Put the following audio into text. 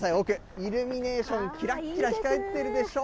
イルミネーション、きらっきら光ってるでしょ。